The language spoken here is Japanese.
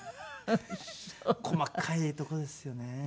細かいとこですよね。